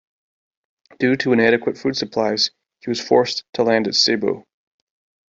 Due to inadequate food supplies, he was forced to land at Cebu.